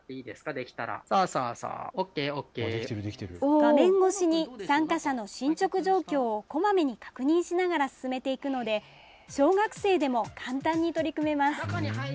画面越しに参加者の進捗状況をこまめに確認しながら進めていくので小学生でも簡単に取り組めます。